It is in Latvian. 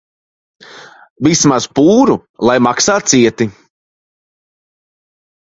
Vismaz pūru lai maksā cieti.